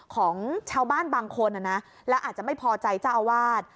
ของชาวบ้านบางคนนะแล้วอาจจะไม่พอใจเจ้าอาวาส